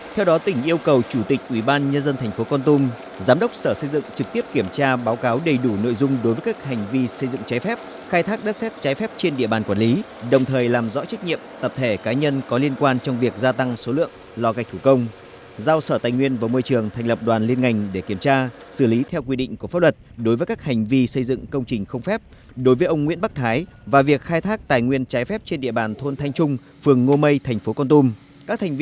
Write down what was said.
theo đó tỉnh yêu cầu chủ tịch ubnd tp con tum giám đốc sở xây dựng trực tiếp kiểm tra báo cáo đầy đủ nội dung đối với các hành vi xây dựng trái phép khai thác đất xét trái phép trên địa bàn quản lý đồng thời làm rõ trách nhiệm tập thể cá nhân có liên quan trong việc gia tăng số lượng lo gạch thủ công giao sở tài nguyên vào môi trường thành lập đoàn liên ngành để kiểm tra xử lý theo quy định của pháp luật đối với các hành vi xây dựng công trình không phép đối với ông nguyễn bắc thái và việc khai thác tài nguyên trái phép trên địa bàn